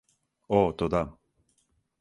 О то да.